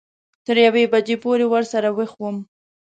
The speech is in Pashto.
تر یوې بجې پورې ورسره وېښ وم.